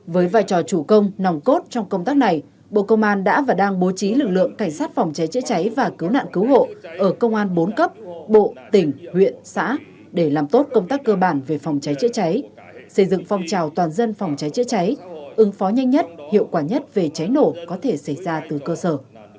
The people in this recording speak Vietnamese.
với vai trò chủ công nòng cốt trong công tác này bộ công an đã và đang bố trí lực lượng cảnh sát phòng cháy chữa cháy và cứu nạn cứu hộ ở công an bốn cấp bộ tỉnh huyện xã để làm tốt công tác cơ bản về phòng cháy chữa cháy xây dựng phong trào toàn dân phòng cháy chữa cháy ứng phó nhanh nhất hiệu quả nhất về cháy nổ có thể xảy ra từ cơ sở